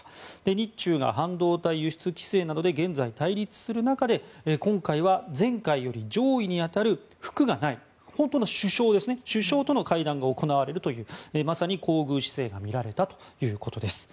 日中が半導体輸出規制などで現在、対立する中で今回は前回より上位に当たる副がない、本当の首相との会談が行われるというまさに厚遇姿勢が見られたということです。